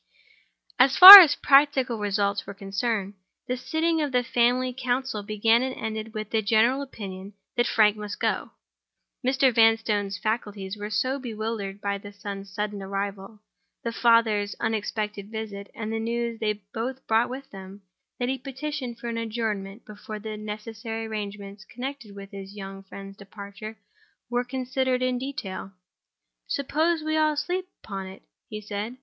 So far as practical results were concerned, the sitting of the family council began and ended with the general opinion that Frank must go. Mr. Vanstone's faculties were so bewildered by the son's sudden arrival, the father's unexpected visit, and the news they both brought with them, that he petitioned for an adjournment before the necessary arrangements connected with his young friend's departure were considered in detail. "Suppose we all sleep upon it?" he said.